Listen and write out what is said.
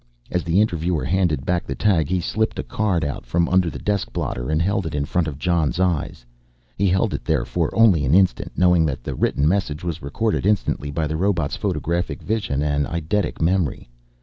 As the interviewer handed back the tag he slipped a card out from under the desk blotter and held it in front of Jon's eyes. He held it there for only an instant, knowing that the written message was recorded instantly by the robot's photographic vision and eidetic memory.